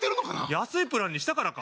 安いプランにしたからか？